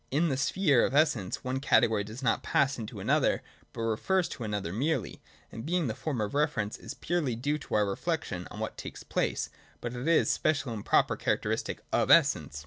In the sphere of Essence one category does not 2ass_into_another, but refers to another merely. In Being, the form of reference is purely due to our reflection on what takes place : but it is the special and proper characteristic of Essence.